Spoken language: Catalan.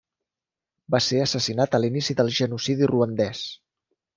Va ser assassinat a l'inici del genocidi ruandès.